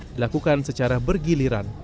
dilakukan secara bergiliran